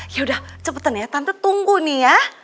yaudah cepetan ya tante tunggu nih ya